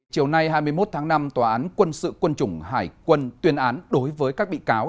chiều nay hai mươi một tháng năm tòa án quân sự quân chủng hải quân tuyên án đối với các bị cáo